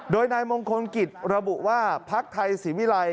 โดยนายมงคลกิจระบุว่าพักไทยศรีวิรัย